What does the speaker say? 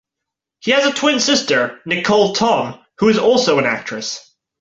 He has a twin sister, Nicholle Tom, who is also an actress.